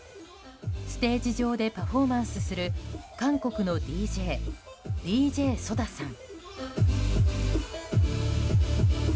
ステージ上でパフォーマンスする韓国のＤＪＤＪＳＯＤＡさん。